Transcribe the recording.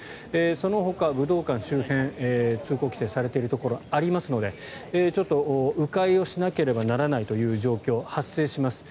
そのほか、武道館周辺通行規制されているところありますのでちょっと迂回をしなければならないという状況が発生します。